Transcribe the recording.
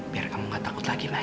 biar kamu gak takut lagi lah